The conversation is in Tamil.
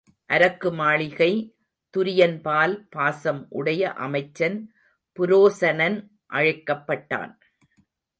அரக்கு மாளிகை துரியன்பால் பாசம் உடைய அமைச்சன் புரோசனன் அழைக்கப்பட்டான்.